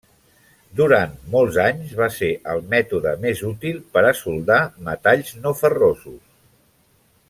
Durant molts anys va ser el mètode més útil per a soldar metalls no ferrosos.